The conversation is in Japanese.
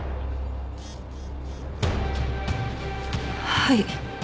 はい。